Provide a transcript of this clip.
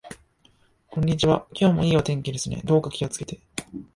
こんにちは。今日も良い天気ですね。どうかお気をつけて。